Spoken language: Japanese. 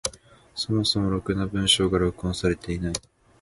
そもそもろくな文章が録音されていない。